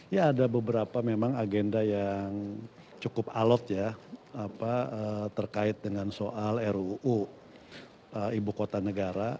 ya ada beberapa memang agenda yang cukup alot ya terkait dengan soal ruu ibu kota negara